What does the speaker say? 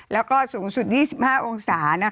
แล้วก็สูงสุด๒๕องศา